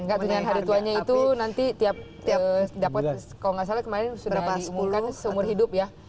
gak tunjangan hari tuanya itu nanti tiap dapat kalau nggak salah kemarin sudah diumumkan seumur hidup ya